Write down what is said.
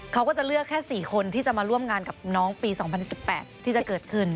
เขาก็จะเลือกแค่๔คนที่จะมาร่วมงานกับน้องปี๒๐๑๘ที่จะเกิดขึ้น